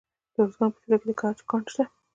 د ارزګان په چوره کې د ګچ کان شته.